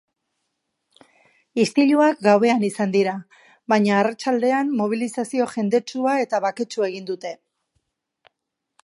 Istiluak gauean izan dira, baina arratsaldean mobilizazio jendetsua eta baketsua egin dute.